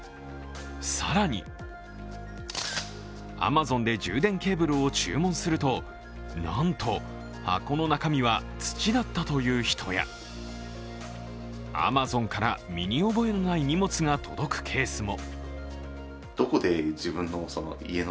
更にアマゾンで充電ケーブルを注文するとなんと箱の中身は土だったという人や、アマゾンから身に覚えのない荷物が届くケースも。